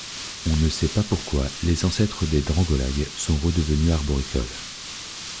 On ne sait pas pourquoi les ancêtres des dendrolagues sont redevenus arboricoles.